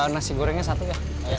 nasi gorengnya satu ya